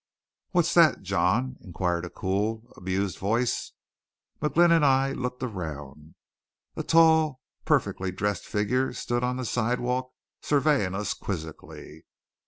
"What's that, John?" inquired a cool, amused voice. McGlynn and I looked around. A tall, perfectly dressed figure stood on the sidewalk surveying us quizzically.